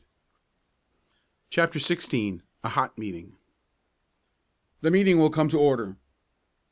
CHAPTER XVI A HOT MEETING "The meeting will come to order!"